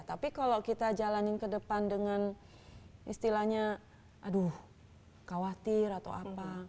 tapi kalau kita jalanin ke depan dengan istilahnya aduh khawatir atau apa